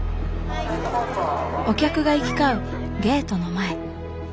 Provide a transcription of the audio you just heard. お客が行き交うゲートの前。